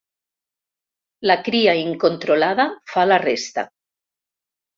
La cria incontrolada fa la resta.